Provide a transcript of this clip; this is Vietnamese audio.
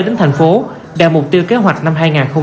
đến thành phố đạt mục tiêu kế hoạch năm hai nghìn hai mươi